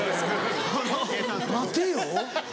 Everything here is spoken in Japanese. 待てよ。